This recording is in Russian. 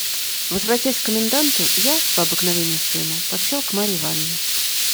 Возвратясь к коменданту, я, по обыкновению своему, подсел к Марье Ивановне.